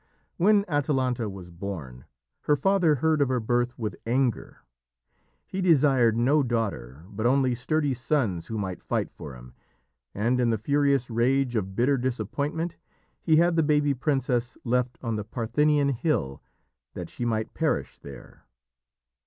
When Atalanta was born, her father heard of her birth with anger. He desired no daughter, but only sturdy sons who might fight for him, and in the furious rage of bitter disappointment he had the baby princess left on the Parthenian Hill that she might perish there.